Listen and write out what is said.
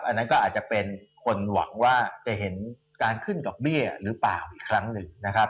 อันนั้นก็อาจจะเป็นคนหวังว่าจะเห็นการขึ้นดอกเบี้ยหรือเปล่าอีกครั้งหนึ่งนะครับ